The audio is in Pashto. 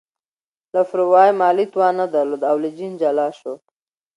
لفروی مالي توان نه درلود او له جین جلا شو.